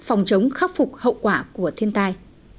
phòng chống khắc phục hậu quả của thiên tai